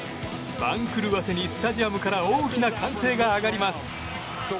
番狂わせにスタジアムから大きな歓声が上がります。